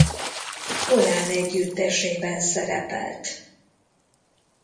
Volán együttesében szerepelt.